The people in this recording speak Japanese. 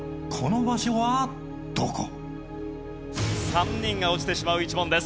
３人が落ちてしまう１問です。